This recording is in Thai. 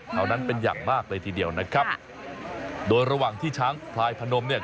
แถวนั้นเป็นอย่างมากเลยทีเดียวนะครับโดยระหว่างที่ช้างพลายพนมเนี่ย